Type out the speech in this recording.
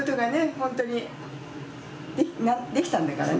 本当にできたんだからね。